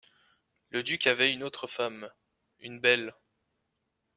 Le duc avait une autre femme, une belle.